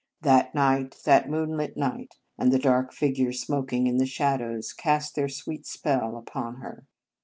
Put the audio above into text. That night, that moonlit 24 Marianus night, and the dark figure smoking in the shadows, cast their sweet spell upon her.